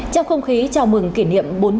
trong không khí chào mừng kỷ niệm